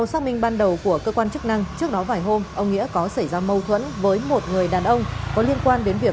xin chào và hẹn gặp lại